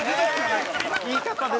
言い方で。